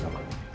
terima kasih pak